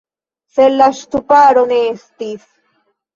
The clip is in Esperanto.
Sed la ŝtuparo ne estis.